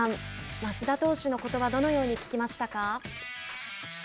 益田投手のことばどのように聞きましたか。